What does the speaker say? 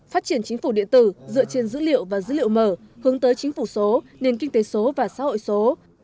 phát triển chính phủ điện tử dựa trên dữ liệu và dữ liệu mở hướng tới chính phủ số nền kinh tế số và xã hội số